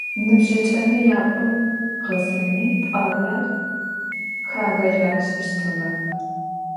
Ныбжьыкӏэмэ япӏун-гъэсэни пӏуаблэр хагъэлажьэщтыгъэ.